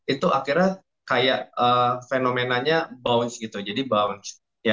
itu akhirnya kayak fenomenanya bounce gitu jadi bounch